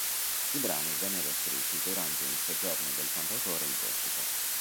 I brani vennero scritti durante un soggiorno del cantautore in Corsica.